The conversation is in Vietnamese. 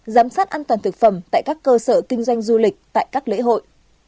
giám sát an toàn thực phẩm tại các cơ sở kinh doanh du lịch tại các lễ hội